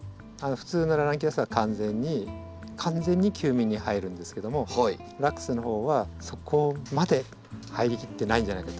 普通のラナンキュラスは完全に完全に休眠に入るんですけどもラックスのほうはそこまで入りきってないんじゃないかと。